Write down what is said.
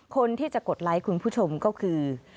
คนที่จะกดไลค์คุณผู้ชมก็คือ